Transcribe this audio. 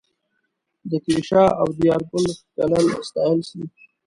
د تېشه او د یارګل ښکلل ستایل سي